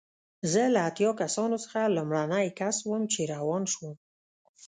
زه له اتیا کسانو څخه لومړنی کس وم چې روان شوم.